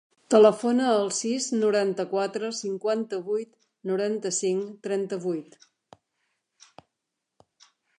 Telefona al sis, noranta-quatre, cinquanta-vuit, noranta-cinc, trenta-vuit.